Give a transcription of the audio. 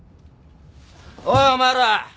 おいお前ら！